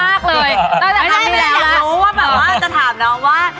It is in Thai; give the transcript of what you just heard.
ไม่ได้ไม่รู้ว่าแบบว่าจะถามน้องว่า